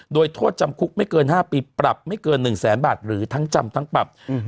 โดยโทษจำคุกไม่เกิน๕ปีปรับไม่เกินหนึ่งแสนบาทหรือทั้งจำทั้งปรับ